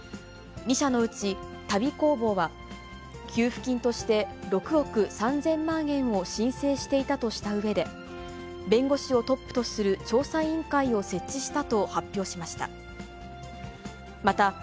２社のうち旅工房は、給付金として６億３０００万円を申請していたとしたうえで、弁護士をトップとする調査委員会を設置したと発表しました。